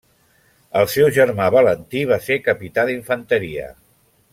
El seu germà Valentí va ser capità d'infanteria.